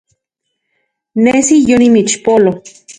Nesi yonimixpolo